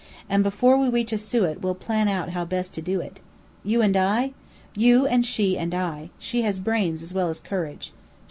"And before we reach Asiut we'll plan out how best to do it." "You and I?" "You and she and I. She has brains as well as courage."